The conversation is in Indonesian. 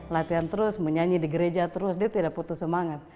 latihan terus menyanyi di gereja terus dia tidak putus semangat